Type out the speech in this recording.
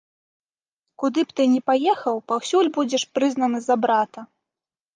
Куды б ты ні паехаў, паўсюль будзеш прызнаны за брата.